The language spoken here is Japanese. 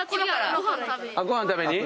ご飯食べに？